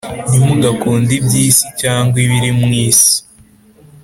Ntimugakunde iby'isi cyangwa ibiri mu isi